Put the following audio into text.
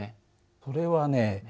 それはね